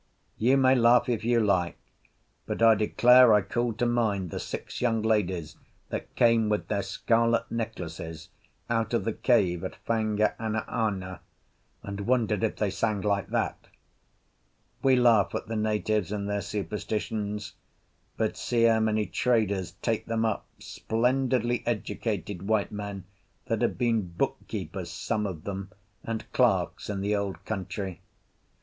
You may laugh if you like; but I declare I called to mind the six young ladies that came, with their scarlet necklaces, out of the cave at Fanga anaana, and wondered if they sang like that. We laugh at the natives and their superstitions; but see how many traders take them up, splendidly educated white men, that have been book keepers (some of them) and clerks in the old country.